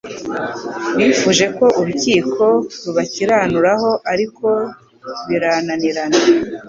bifuje ko urukiko rubakiranuraho ariko birananirana